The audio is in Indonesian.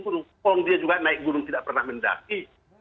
kalau dia juga naik gunung tidak pernah mendaki